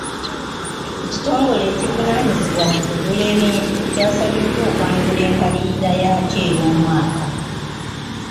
Ekitongole ekivunaanyizibwa kukugula ebintu kyasabiddwa okwanjula embalirira yaakyo ey'omwaka.